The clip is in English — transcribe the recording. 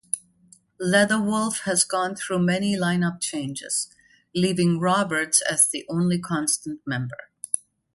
Leatherwolf has gone through many line-up changes, leaving Roberts as the only constant member.